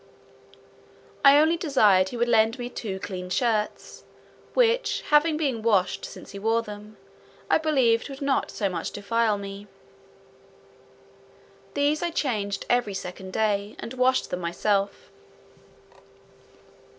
I only desired he would lend me two clean shirts, which, having been washed since he wore them, I believed would not so much defile me. These I changed every second day, and washed them myself.